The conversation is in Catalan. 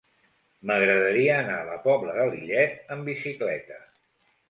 M'agradaria anar a la Pobla de Lillet amb bicicleta.